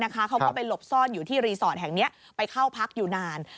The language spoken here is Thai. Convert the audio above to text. เขาก็ไปหลบซ่อนอยู่ที่รีสอร์ทแห่งนี้ไปเข้าพักอยู่นาน